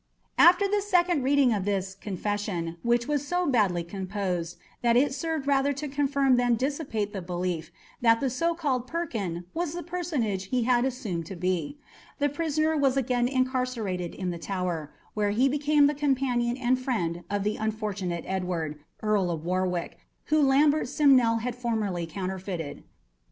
After the second reading of this "confession," which was so badly composed that it served rather to confirm than dissipate the belief that the so called "Perkin" was the personage he had assumed to be, the prisoner was again incarcerated in the Tower, where he became the companion and friend of the unfortunate Edward, Earl of Warwick, whom Lambert Simnel had formerly counterfeited.